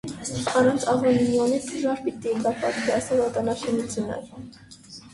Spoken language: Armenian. Առանց աղոնինիոնի դժուար պիտի ըլլար պատկերացնել օդանաւաշինութիւնը։